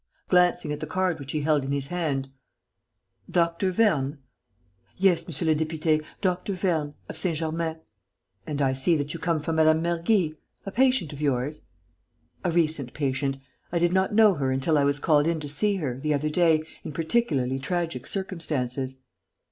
Glancing at the card which he held in his hand: "Dr. Vernes?" "Yes, monsieur le député, Dr. Vernes, of Saint Germain." "And I see that you come from Mme. Mergy. A patient of yours?" "A recent patient. I did not know her until I was called in to see her, the other day, in particularly tragic circumstances."